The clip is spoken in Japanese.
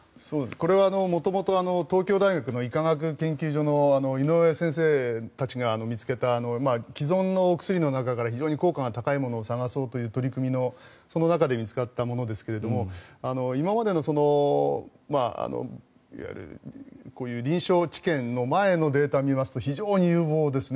これは元々東京大学の医科学研究所のイノウエ先生たちが見つけた既存のお薬の中から非常に効果が高いものを探そうという取り組みの中で見つかったものですが今までの臨床治験の前のデータを見ますと非常に有望ですね。